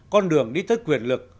con đường đi tới quyền lực